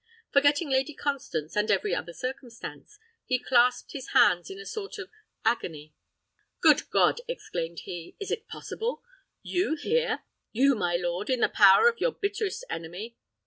Forgetting Lady Constance and every other circumstance, he clasped his hands in a sort of agony. "Good God!" exclaimed he, "is it possible? You here! You, my lord, in the power of your bitterest enemy?